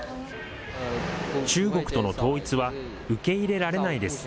中国との統一は受け入れられないです。